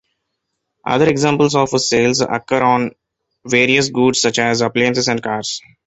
Other examples of sales occur on various goods such as appliances and cars.